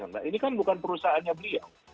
nah ini kan bukan perusahaannya beliau